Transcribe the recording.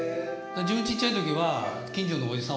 自分ちっちゃい時は近所のおじさん